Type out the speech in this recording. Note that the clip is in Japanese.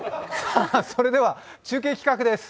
それでは中継企画です。